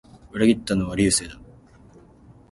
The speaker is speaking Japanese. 裏切ったのはあいつだ